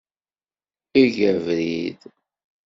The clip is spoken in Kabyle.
Eg abrid.